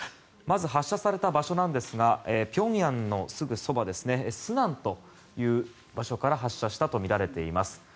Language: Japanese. まず発射された場所ですが平壌のすぐそばですねスナンという場所から発射したとみられています。